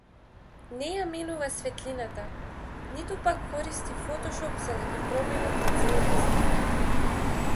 Не ја менува светлината, ниту пак користи фотошоп за да ги промени нејзините слики.